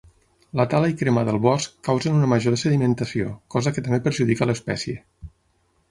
La tala i crema del bosc causen una major sedimentació, cosa que també perjudica l'espècie.